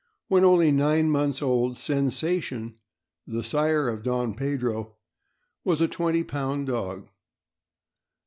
When only nine months old, Sensation, the sire of Don Pedro, was a twenty pound dog.